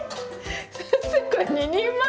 先生これ２人前？